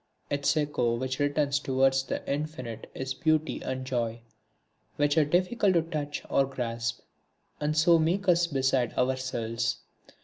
Its echo which returns towards the Infinite is Beauty and Joy; which are difficult to touch or grasp, and so make us beside ourselves.